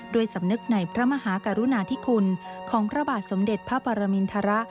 สำนึกในพระมหากรุณาธิคุณของพระบาทสมเด็จพระปรมินทร